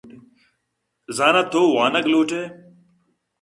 زاناں تو وانگ لوٹ ئے؟